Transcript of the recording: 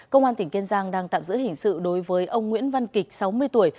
công an tỉnh kiên giang đang tạm giữ hình sự đối với ông nguyễn văn kịch sáu mươi tuổi